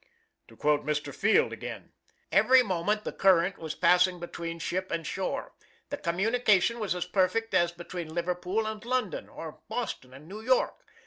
To quote Mr. Field again: "Every moment the current was passing between ship and shore. The communication was as perfect as between Liverpool and London, or Boston and New York.